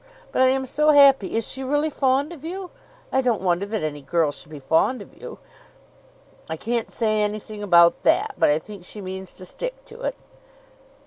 But I am so happy. Is she really fond of you? I don't wonder that any girl should be fond of you." "I can't say anything about that, but I think she means to stick to it."